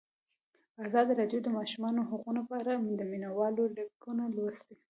ازادي راډیو د د ماشومانو حقونه په اړه د مینه والو لیکونه لوستي.